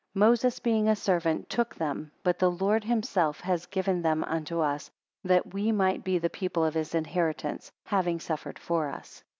Moses, being a servant, took them; but the Lord himself has given them unto us, that we might be the people of his inheritance; having suffered for us.